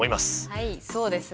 はいそうですね。